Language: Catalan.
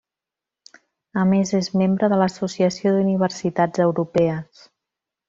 A més és membre de l'Associació d'Universitats Europees.